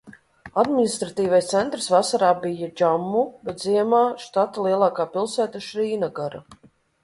Administratīvais centrs vasarā bija Džammu, bet ziemā štata lielākā pilsēta Šrīnagara.